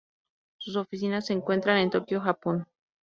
Sus oficinas se encuentran en Tokio, Japón.